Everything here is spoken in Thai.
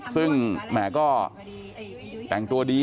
ซึ่งแหมก็แต่งตัวดี